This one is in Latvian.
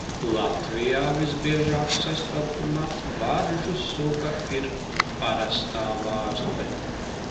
Latvijā visbiežāk sastopamā varžu suga ir parastā varde.